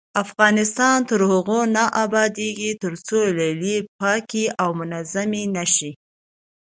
افغانستان تر هغو نه ابادیږي، ترڅو لیلیې پاکې او منظمې نشي.